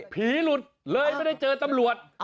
หลุดเลยไม่ได้เจอตำรวจ